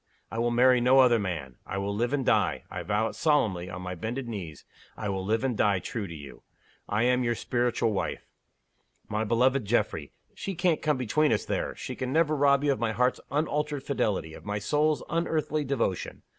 I will marry no other man. I will live and die I vow it solemnly on my bended knees I will live and die true to You. I am your Spiritual Wife. My beloved Geoffrey! she can't come between us, there she can never rob you of my heart's unalterable fidelity, of my soul's unearthly devotion.